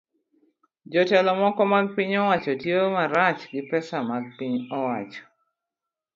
Jotelo moko mag piny owacho tiyo marach gi pesa mag piny owacho